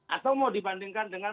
atau mau dibandingkan dengan